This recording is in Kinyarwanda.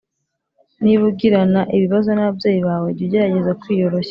Niba ugirana ibibazo n ababyeyi bawe jya ugerageza kwiyoroshya.